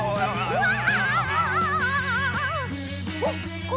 うわ！